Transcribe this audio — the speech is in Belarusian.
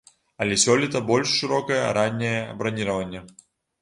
Але сёлета больш шырокае ранняе браніраванне.